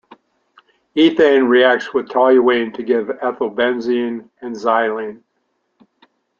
Ethane reacts with toluene to give ethylbenzene and xylene.